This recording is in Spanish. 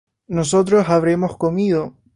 nosotros habremos comido